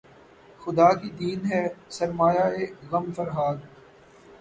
خدا کی دین ہے سرمایۂ غم فرہاد